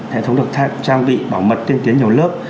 hệ thống được trang bị bảo mật tiên tiến nhiều lớp